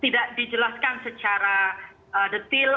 tidak dijelaskan secara detil